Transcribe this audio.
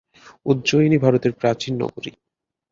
উজ্জয়িনী ভারতের প্রাচীন নগরী।